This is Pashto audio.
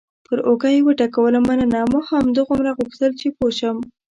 پر اوږه یې وټکولم: مننه، ما همدومره غوښتل چې پوه شم.